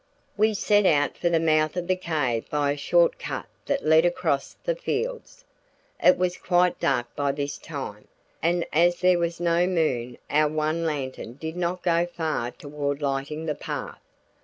We set out for the mouth of the cave by a short cut that led across the fields. It was quite dark by this time, and as there was no moon our one lantern did not go far toward lighting the path.